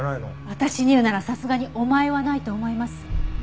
私に言うならさすがに「お前」はないと思います。